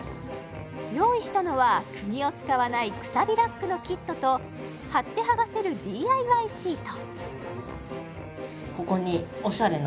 用意したのはクギを使わないくさびラックのキットと貼って剥がせるＤＩＹシート